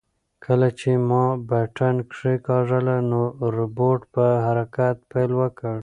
کله چې ما بټن کېکاږله نو روبوټ په حرکت پیل وکړ.